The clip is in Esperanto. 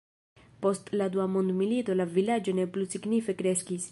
Post la Dua mondmilito la vilaĝo ne plu signife kreskis.